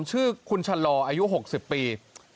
คือคุณชะลออายุหกสิบปี